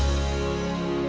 serius gak mau deket aku